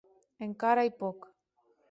Encara ei pòc.